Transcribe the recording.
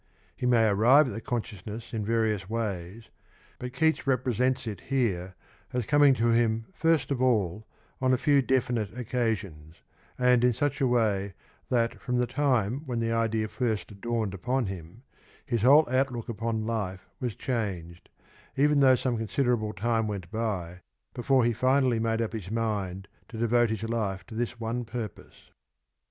He may arrive at the consciousness in various ways, but Keats represents it here as coming to him first of all on a few definite occasions, and in such a way that, from the time when the idea first dawned upon him, his whole outlook upon life was changed, even though some considerable time went by before he finally made up his mind to devote his life to this one purpose.